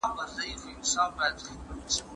انلاين تدريس به زده کوونکو ته د وخت انعطاف ورکړي.